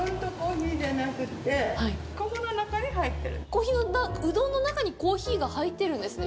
スタートさんでなんかうどんの中にコーヒーが入ってるんですね